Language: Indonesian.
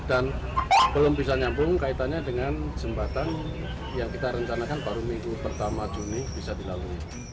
dan belum bisa nyambung kaitannya dengan jembatan yang kita rencanakan baru minggu pertama juni bisa dilalui